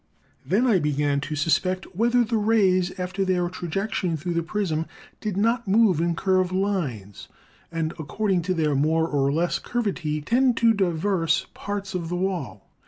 "Then I began to suspect, whether the rays after their trajection through the prism, did not move in curve lines, and according to their more or less curvity tend to divers parts of the wall.